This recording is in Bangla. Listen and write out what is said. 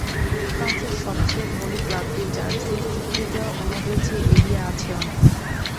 ফ্রান্সের সবচেয়ে ধনী ক্লাবটি জার্সির চুক্তিতেও অন্যদের চেয়ে এগিয়ে আছে অনেক।